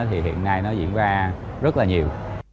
thì hiện nay nó diễn ra rất là nhiều